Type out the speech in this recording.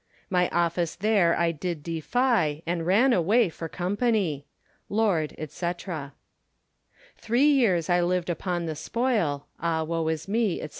My office ther I did defie, And ran away for company. Lord, &c. Three yeeres I lived upon the spoile, Ah woe is me, &c.